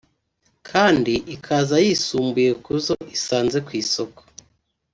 kandi ikaza yisumbuye ku zo isanze ku isoko